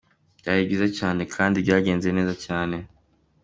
Byari byiza cyane kandi byagenze neza cyane.